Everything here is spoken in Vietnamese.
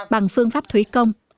bằng phương pháp thủy công